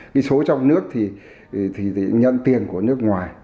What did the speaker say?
cái số trong nước thì nhận tiền của nước ngoài